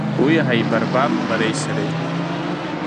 Уа иҳаибарбап бареи сареи!